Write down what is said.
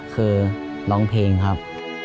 คือร้องเพลงครับ